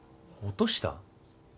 落とした？